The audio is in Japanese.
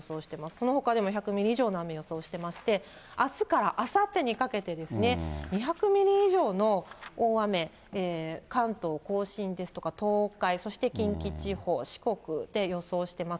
そのほかでも１００ミリ以上の雨を予想していまして、あすからあさってにかけて、２００ミリ以上の大雨、関東甲信ですとか、東海、そして近畿地方、四国で予想してます。